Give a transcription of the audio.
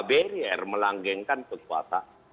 beri air melanggengkan kekuasaan